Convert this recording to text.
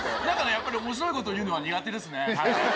だからやっぱり、おもしろいこと言うのは苦手ですね。